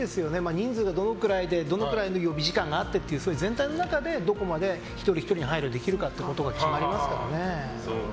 人数がどのくらいでどのくらいの予備時間があって全体の中でどこまで一人ひとりに配慮できるかが決まりますからね。